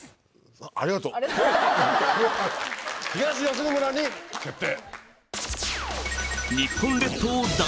東吉野村に決定。